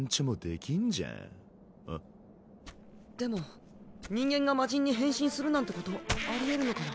でも人間が魔神に変身するなんてことありえるのかな？